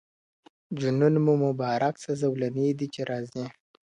جنون مو مبارک سه زولنې دي چي راځي.